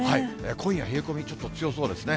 今夜冷え込み、ちょっと強そうですね。